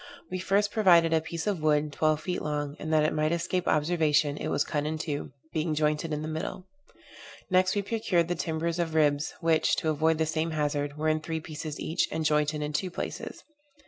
We first provided a piece of wood, twelve feet long, and, that it might escape observation, it was cut in two, being jointed in the middle. Next we procured the timbers of ribs, which, to avoid the same hazard, were in three pieces each, and jointed in two places.